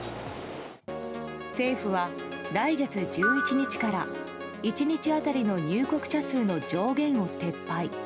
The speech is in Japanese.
政府は来月１１日から１日当たりの入国者数の上限を撤廃。